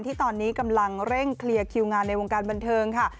ที่ตอนนี้กำลังเร่งเคลียร์คิวงานในวงการบันเทิงค่ะ